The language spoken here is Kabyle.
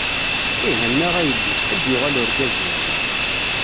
Eh anaɣ a yelli, ad d-yuɣal urgaz-im.